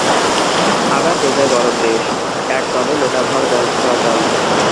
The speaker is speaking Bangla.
আবার বেজায় গরম দেশ, এক দমে লোটা-ভর জল খাওয়া চাই।